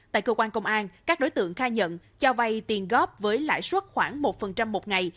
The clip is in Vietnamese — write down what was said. tại cơ quan công an các đối tượng khai nhận cho vay tiền góp với lãi suất khoảng một một ngày